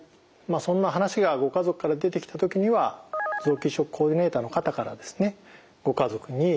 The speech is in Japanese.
そんな話がご家族から出てきた時には臓器移植コーディネーターの方からですねご家族に説明をしていただきます。